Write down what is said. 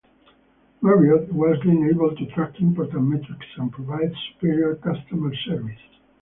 Marriott was then able to track important metrics and provide superior customer service.